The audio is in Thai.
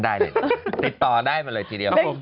ติดต่อได้มาเลยทีเดียว